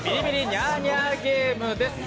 「ニャーニャーゲーム」です。